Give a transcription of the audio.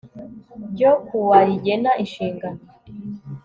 ryo kuwa rigena inshingano